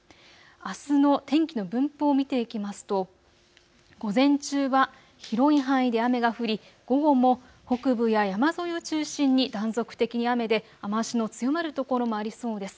あすの天気の分布を見ていきますと午前中は広い範囲で雨が降り午後も北部や山沿いを中心に断続的に雨で雨足の強まる所もありそうです。